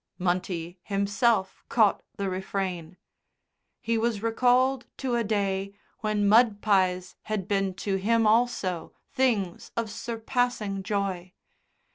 Munty himself caught the refrain. He was recalled to a day when mud pies had been to him also things of surpassing joy.